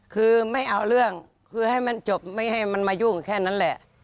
คือไม่เอาเรื่องคือให้มันจบไม่ให้มันมายุ่งแค่นั้นแหละ